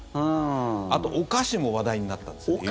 あとお菓子も話題になったんです。